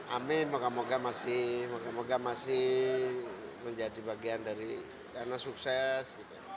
amin moga moga masih menjadi bagian dari karena sukses